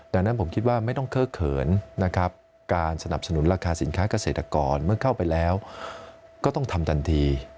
ดังนั้นผมคิดว่าไม่ต้องเคิกเขินนะครับการสนับสนุนราคาสินค้าเกษตรกรเมื่อเข้าไปแล้วก็ต้องทำทันที